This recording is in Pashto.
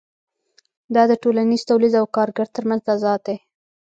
دا د ټولنیز تولید او کارګر ترمنځ تضاد دی